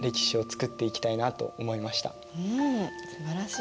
うんすばらしい。